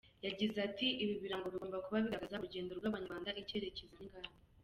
Yagize ati “Ibi birango bigomba kuba bigaragaza urugendo rw’Abanyarwanda, icyerekezo n’ingamba.